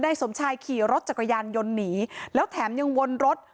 สมชายขี่รถจักรยานยนต์หนีแล้วแถมยังวนรถ